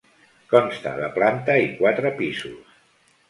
Consta de planta i quatre pisos.